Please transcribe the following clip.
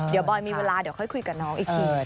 เดี๋ยวโบยมีเวลาค่อยคุยกับน้องอีกที